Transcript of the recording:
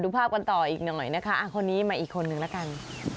ภาพกันต่ออีกหน่อยนะคะคนนี้มาอีกคนนึงละกัน